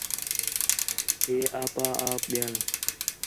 ہے آپا آپ ٻِیاں